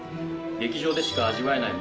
劇場でしか味わえない